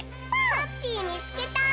ハッピーみつけた！